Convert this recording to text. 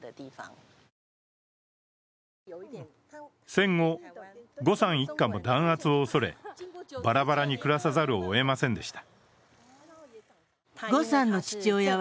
戦後、呉さん一家も弾圧を恐れ、バラバラに暮らさざるをえませんでした。